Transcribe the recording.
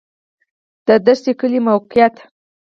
د دشټي کلی موقعیت